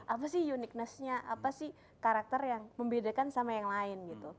apa sih uniquenessnya apa sih karakter yang membedakan sama yang lain gitu